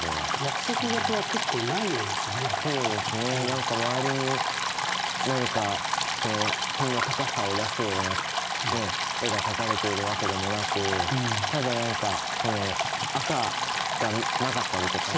なんか周りに何かその品の高さを出すような絵が描かれているわけでもなくただなんか赤がなかったりとか。